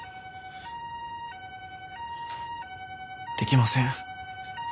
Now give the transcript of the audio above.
できません。